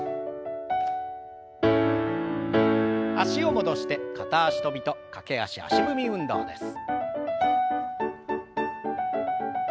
脚を戻して片足跳びと駆け足足踏み運動です。